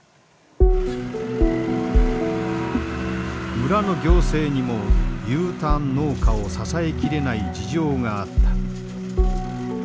村の行政にもＵターン農家を支え切れない事情があった。